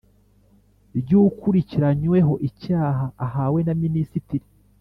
Ry ukurikiranyweho icyaha ahawe na minisitiri